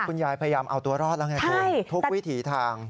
คุณยายพยายามเอาตัวรอดแล้วไงคุณทุกวิถีทาง